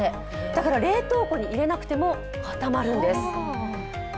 だから冷凍庫に入れなくても固まるんです。